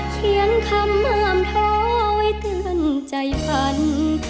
เขียนคำห้ามท้อไว้เตือนใจฝัน